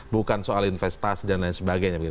bukan soal investasi dan lain sebagainya